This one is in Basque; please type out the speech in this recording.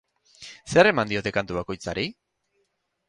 Zer eman diote kantu bakoitzari?